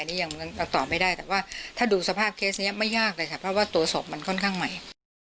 นี่ยังตอบไม่ได้แต่ว่าถ้าดูสภาพเคสนี้ไม่ยากเลยค่ะเพราะว่าตัวศพมันค่อนข้างใหม่